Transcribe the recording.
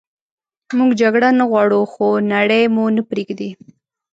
موږ جګړه نه غواړو خو نړئ مو نه پریږدي